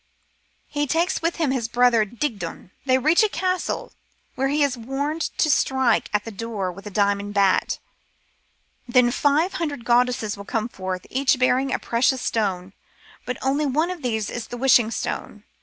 He takes with him his brother Digdon. They reach a castle, where he is warned to strike at the door with a diamond bat. Then five hundred goddesses will come forth, each bearing a precious stone, but only one of these is the Wishing stone.